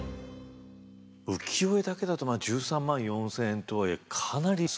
浮世絵だけだと１３万４，０００円とはいえかなり少なくないかい？